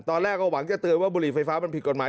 ตอนแรกก็หวังจะเตือนว่าบุหรี่ไฟฟ้ามันผิดกฎหมาย